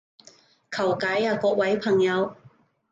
求解啊各位朋友